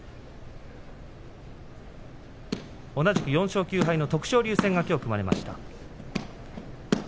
同じく４勝９敗の徳勝龍戦が組まれました。